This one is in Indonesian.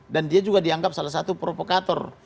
dia juga dianggap salah satu provokator